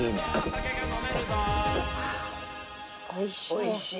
おいしい。